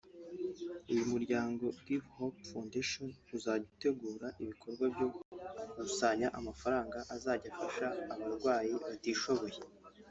uyu muryango ‘Give Hope Foundation’ uzajya utegura ibikorwa byo gukusanya amafaranga azajya afasha abarwayi batishoboye